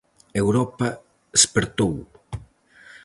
Europa espertou.